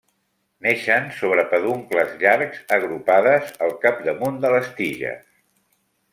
Neixen sobre peduncles llargs, agrupades al capdamunt de les tiges.